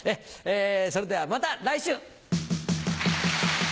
それではまた来週。